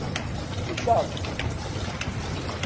Icad!